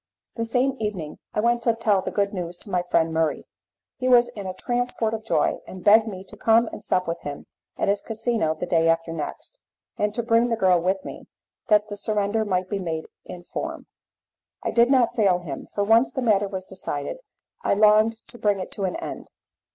The same evening I went to tell the good news to my friend Murray. He was in a transport of joy, and begged me to come and sup with him at his casino the day after next, and to bring the girl with me, that the surrender might be made in form. I did not fail him, for once the matter was decided, I longed to bring it to an end.